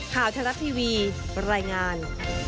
ข่าวทะลับทีวีรายงาน